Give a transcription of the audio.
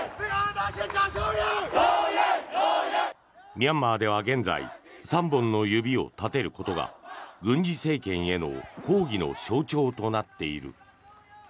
ミャンマーでは現在、３本の指を立てることが軍事政権への抗議の象徴となっている。